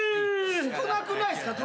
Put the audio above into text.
少なくないっすか？